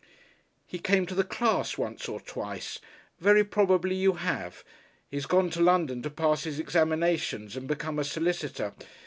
"He came to the class once or twice. Very probably you have. He's gone to London to pass his examinations and become a solicitor.